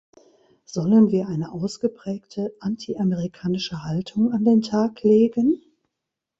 Sollen wir eine ausgeprägte antiamerikanische Haltung an den Tag legen?